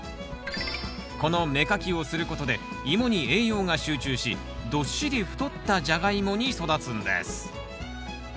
この芽かきをすることでイモに栄養が集中しどっしり太ったジャガイモに育つんです。